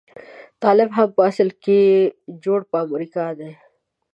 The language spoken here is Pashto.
طالب هم په اصل کې جوړ په امريکا دی.